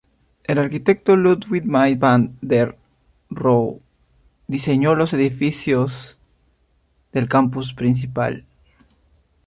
El arquitecto Ludwig Mies van der Rohe diseñó los edificios del campus principal.